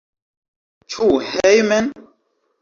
Ĉu hejmen?